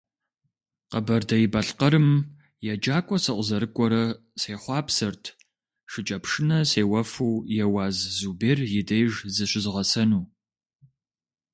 Къэбэрдей-Балъкъэрым еджакӀуэ сыкъызэрыкӀуэрэ сехъуапсэрт шыкӀэпшынэ сеуэфу Еуаз Зубер и деж зыщызгъэсэну.